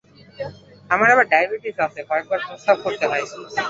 আমার আবার ডায়াবেটিস আছে, কয়েকবার প্রস্রাব করতে হয়।